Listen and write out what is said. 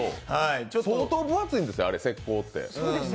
相当分厚いんですよ、石こうって。